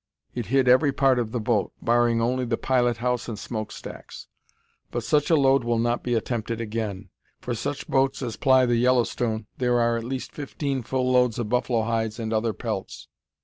It hid every part of the boat, barring only the pilot house and smoke stacks. But such a load will not be attempted again. For such boats as ply the Yellowstone there are at least fifteen full loads of buffalo hides and other pelts.